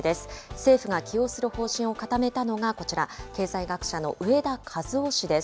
政府が起用する方針を固めたのがこちら、経済学者の植田和男氏です。